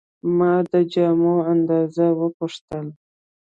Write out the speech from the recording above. ما د جامو اندازه وپوښتله.